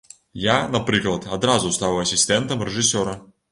Я, напрыклад, адразу стаў асістэнтам рэжысёра.